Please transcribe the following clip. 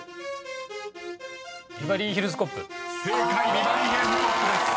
「ビバリーヒルズ・コップ」です］